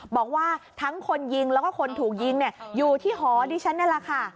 บอกว่าทั้งคนยิงแล้วก็คนถูกยิงอยู่ที่หอดิฉันนี่แหละค่ะ